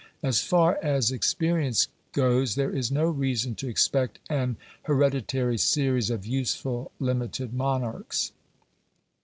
As far as experience goes, there is no reason to expect an hereditary series of useful limited monarchs.